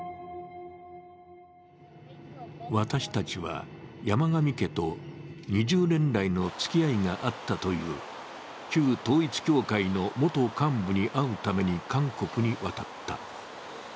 私たちは、山上家と２０年来のつきあいがあったという旧統一教会の元幹部に会うために韓国に渡った。